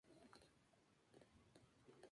Los tres pisos restantes se utilizaban como vivienda.